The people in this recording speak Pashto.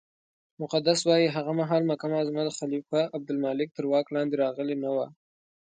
مقدسي وایي هغه مهال مکه معظمه د خلیفه عبدالملک تر واک لاندې نه وه.